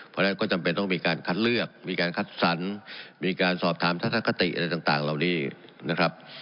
เพราะฉะนั้นก็จำเป็นต้องมีการคัดเลือกมีการคัดสรรมีการสอบถามทัศนคติอะไรต่างเหล่านี้นะครับ